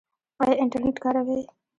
ایا انټرنیټ کاروئ؟